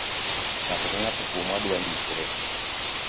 Ng'ato ka ng'ato kuomwa dwanyisre.